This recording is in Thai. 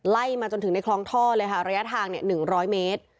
ไล่มาจนถึงในคลองท่อเลยค่ะระยะทาง๑๐๐เมตร